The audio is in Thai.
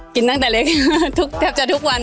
กินตั้งแต่เล็กตั้งแต่ทุกที